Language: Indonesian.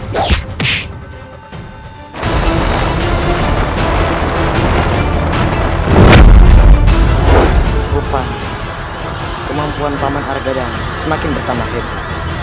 lupa kemampuan paman harga yang semakin bertambah hebat